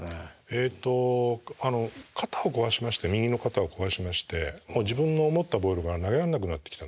えっと肩を壊しまして右の肩を壊しましてもう自分の思ったボールが投げらんなくなってきたんですね。